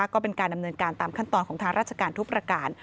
ก็เป็นการดำเนินการตามขั้นตอนของทางราชการทุกประการ